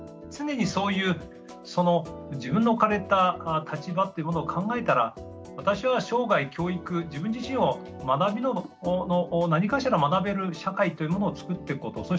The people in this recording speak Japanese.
常にそういう自分の置かれた立場ってものを考えたら私は生涯教育自分自身を学びの何かしら学べる社会というものを作っていくこと。